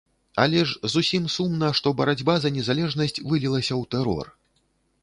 Але ж зусім сумна, што барацьба за незалежнасць вылілася ў тэрор.